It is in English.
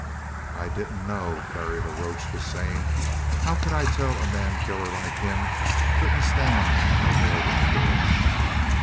"I didn't know," Larry la Roche was saying. "How could I tell a man killer like him couldn't stand no more than a girl?"